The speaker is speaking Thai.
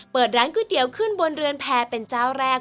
เปิดร้านก๋วยเตี๋ยวขึ้นบนเรือนแพร่เป็นเจ้าแรก